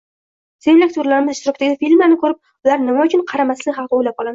Sevimli aktyorlarimiz ishtirokidagi filmlarni ko‘rib, ular nima uchun qarimasligi haqida o‘ylab qolamiz